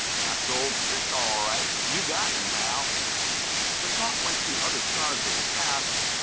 "That's old Syc, all right. You got him, pal!" The talk went to other stars of the past.